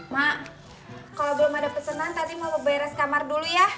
mak kalau belum ada pesanan tadi mau beres kamar dulu ya